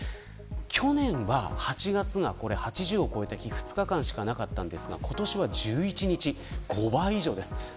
去年の８月は、８０を超えた日が２日しかありませんでしたが今年は１１日で５倍以上です。